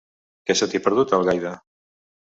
Què se t'hi ha perdut, a Algaida?